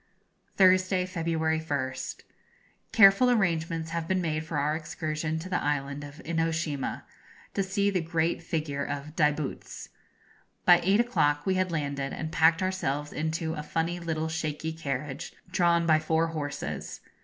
Thursday, February 1st. Careful arrangements have been made for our excursion to the Island of Inoshima, to see the great figure of Daibutz. By eight o'clock we had landed, and packed ourselves into a funny little shaky carriage, drawn by four horses.